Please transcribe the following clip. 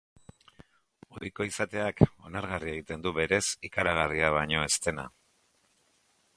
Ohiko izateak, onargarri egiten du berez ikaragarria baino ez dena.